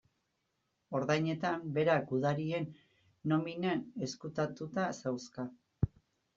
Ordainetan, berak gudarien nominan ezkutatuta zauzka.